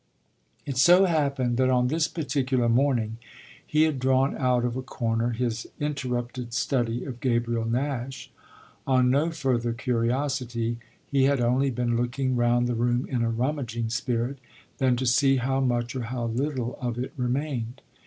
It so happened that on this particular morning he had drawn out of a corner his interrupted study of Gabriel Nash; on no further curiosity he had only been looking round the room in a rummaging spirit than to see how much or how little of it remained.